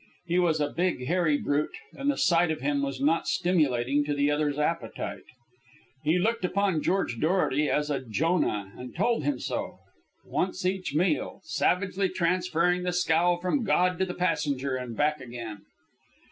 He was a big, hairy brute, and the sight of him was not stimulating to the other's appetite. He looked upon George Dorety as a Jonah, and told him so, once each meal, savagely transferring the scowl from God to the passenger and back again.